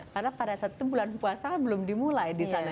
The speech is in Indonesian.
karena pada saat itu bulan puasa belum dimulai di sana